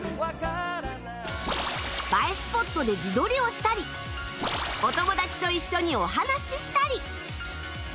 映えスポットで自撮りをしたりお友達と一緒にお話ししたり